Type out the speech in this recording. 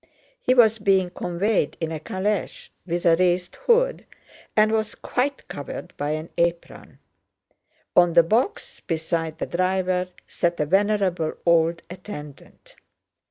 He was being conveyed in a calèche with a raised hood, and was quite covered by an apron. On the box beside the driver sat a venerable old attendant.